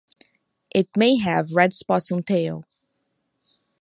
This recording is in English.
It may have red spots on tail.